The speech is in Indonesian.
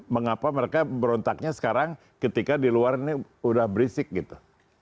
mengapa mereka berontaknya sekarang ketika di luar ini udah berisik gitu